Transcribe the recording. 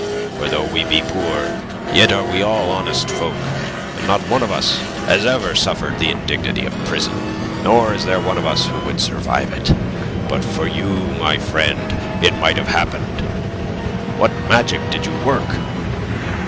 For though we be poor, yet are we all honest folk and not one of us has ever suffered the indignity of prison. Nor is there one of us would survive it. But for you, my friend, it might have happened. What magic did you work?"